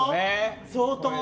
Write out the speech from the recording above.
相当。